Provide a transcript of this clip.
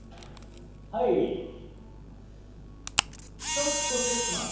ちょっとチェックします